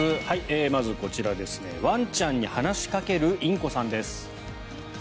まずこちら、ワンちゃんに話しかけるインコさんです。